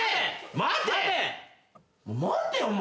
待てお前。